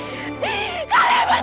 dan aku akan mencari kalian